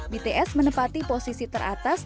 bts menepati posisi teratas